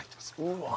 うわ！